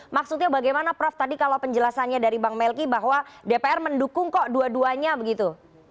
maksudnya bagaimana prof tadi kalau penjelasannya dari bang melki bahwa dpr mendukung kok dua duanya begitu